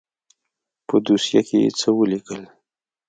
په دوسيه کښې يې څه وليکل.